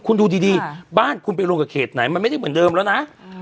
คุณดูดีบ้านคุณไปลงกับเขตไหนมันไม่ได้เหมือนเดิมแล้วนะ